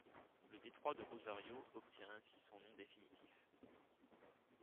Le détroit de Rosario obtient ainsi son nom définitif.